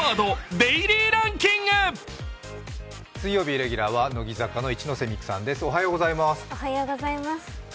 水曜日レギュラーは乃木坂の一ノ瀬美空さんです。